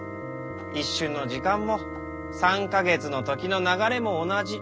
一瞬の時間も３か月の時の流れも同じ。